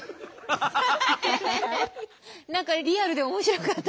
何かリアルで面白かった。